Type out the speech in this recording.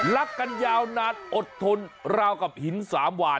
รักกันยาวนานอดทนราวกับหินสามหวาน